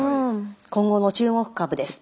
今後の注目株です。